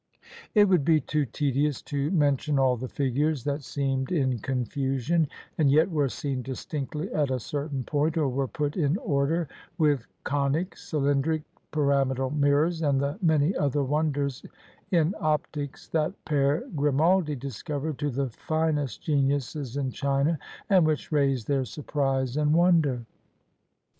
It would be too tedious to mention all the figures that seemed in confusion, and yet were seen distinctly at a certain point, or were put in order with conic, cylindric, pyramidal mirrors, and the many other wonders in op tics that Pere Grimaldi discovered to the finest geniuses in China and which raised their surprise and wonder.